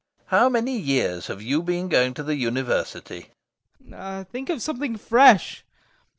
LOPAKHIN. How many years have you been going to the university? TROFIMOV. Think of something fresh.